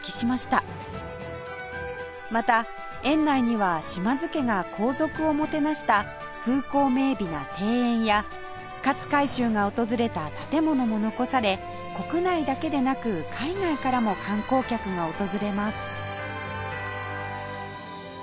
また園内には島津家が皇族をもてなした風光明媚な庭園や勝海舟が訪れた建物も残され国内だけでなく海外からも観光客が訪れます